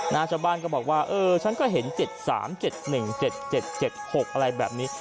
ชาวบ้านก็บอกว่าเออฉันก็เห็น๗๓๗๑๗๗๖อะไรแบบนี้